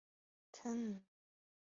曾祖父王珍。